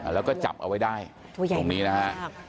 แล้วก็จับเอาไว้ได้ตรงนี้นะฮะ